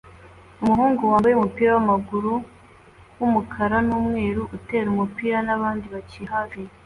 Umuhungu wambaye umupira wamaguru wumukara numweru utera umupira nabandi bakinnyi hafi